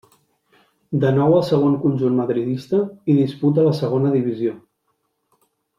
De nou al segon conjunt madridista, hi disputa la Segona Divisió.